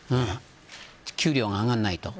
給料が上がらないと。